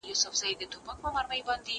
زه به اوږده موده کتابتون ته تللي وم!.